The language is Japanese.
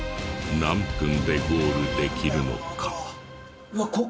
何分でゴールできるのか？